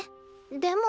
でも。